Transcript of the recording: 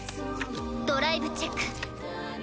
ドライブチェック！